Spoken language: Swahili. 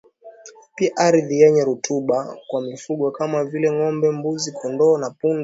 pia ardhi yenye rutuba kwa mifungo kama vile ngombe mbuzi kondoo na punda